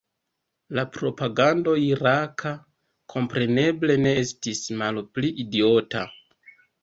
La propagando iraka, kompreneble, ne estis malpli idiota.